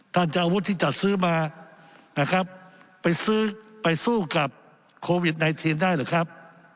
จะเอาอาวุธที่จัดซื้อมานะครับไปซื้อไปสู้กับโควิด๑๙ได้หรือครับ